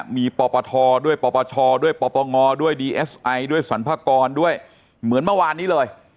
มีปด้วยด้วยด้วยด้วยด้วยด้วยด้วยเหมือนเมื่อวานนี้เลย